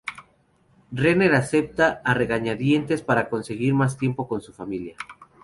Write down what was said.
Renner acepta a regañadientes para conseguir más tiempo con su familia.